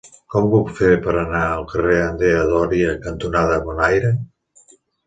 Com ho puc fer per anar al carrer Andrea Doria cantonada Bonaire?